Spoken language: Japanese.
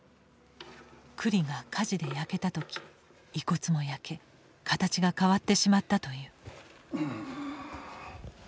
庫裏が火事で焼けた時遺骨も焼け形が変わってしまったという。